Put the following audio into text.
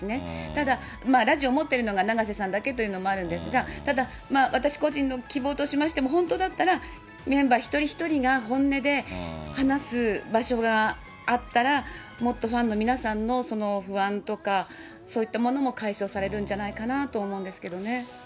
ただ、ラジオを持ってるのが永瀬さんだけということもあるんですが、ただ私個人の希望としましても、本当だったら、メンバー一人一人が本音で話す場所があったら、もっとファンの皆さんの不安とか、そういったものも解消されるんじゃないかなと思うんですけどね。